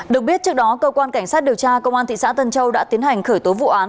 được biết trước đó cơ quan cảnh sát điều tra công an thị xã tân châu đã tiến hành khởi tố vụ án